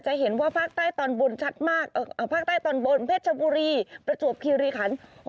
เห็นว่าภาคใต้ตอนบนชัดมากภาคใต้ตอนบนเพชรชบุรีประจวบคิริขัน